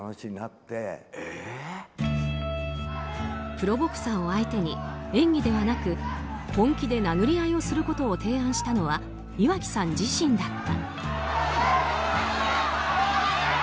プロボクサーを相手に演技ではなく本気で殴り合いをすることを提案したのは岩城さん自身だった。